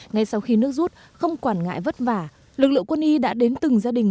ngay sau khi nước rút không quản ngại vất vả lực lượng quân y đã đến từng gia đình